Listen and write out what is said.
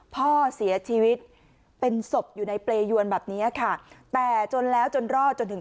พ่อเสียชีวิตเป็นศพอยู่ในเปรยวนแบบนี้ค่ะแต่จนแล้วจนรอดจนถึง